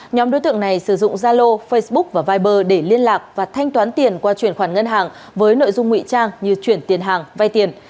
nhóm đối tượng này sử dụng zalo facebook và viber để liên lạc và thanh toán tiền qua chuyển khoản ngân hàng với nội dung nguy trang như chuyển tiền hàng vay tiền